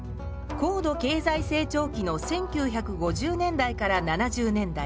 高度経済成長期の１９５０年代から７０年代。